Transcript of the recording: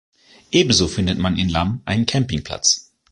Ebenso findet man in Lam einen Campingplatz.